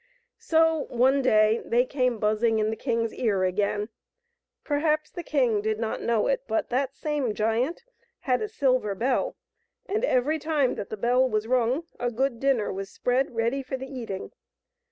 So, one day, they came buzzing in the king's ear again ; perhaps the king did not know it, but that same giant had a silver bell, and every time that the bell was rung a good dinner was spread ready for the eating.